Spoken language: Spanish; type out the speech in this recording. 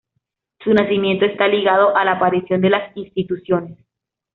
Su nacimiento está ligado a la aparición de las instituciones.